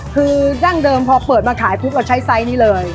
คือดั้งเดิมพอเปิดมาขายปุ๊บเราใช้ไซส์นี้เลย